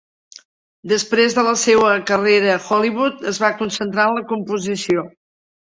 Després de la seua carrera a Hollywood, es va concentrar en la composició.